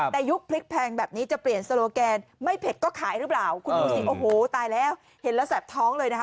แต่ยุคพริกแพงแบบนี้จะเปลี่ยนโซโลแกนไม่เผ็ดก็ขายหรือเปล่าคุณดูสิโอ้โหตายแล้วเห็นแล้วแสบท้องเลยนะคะ